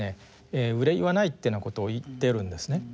憂いはないっていうようなことを言ってるんですね。